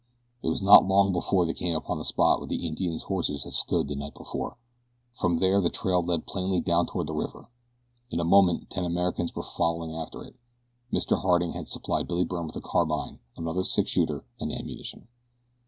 It was not long before they came upon the spot where the Indians' horses had stood the night before. From there the trail led plainly down toward the river. In a moment ten Americans were following it, after Mr. Harding had supplied Billy Byrne with a carbine, another six shooter, and ammunition.